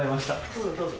どうぞどうぞ。